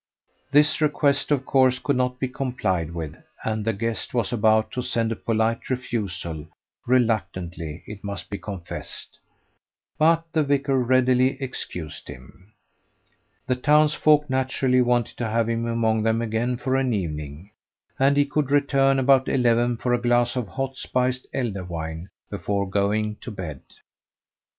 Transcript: This request of course could not be complied with, and the guest was about to send a polite refusal reluctantly, it must be confessed but the vicar readily excused him. The townsfolk naturally wanted to have him among them again for an evening, and he could return about eleven for a glass of hot spiced elder wine before going to bed.